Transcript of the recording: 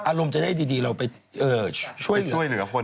อารมณ์จะได้ดีเราไปช่วยเหลือคน